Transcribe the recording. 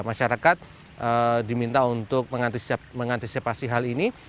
masyarakat diminta untuk mengantisipasi hal ini